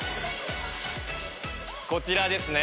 こちらですね。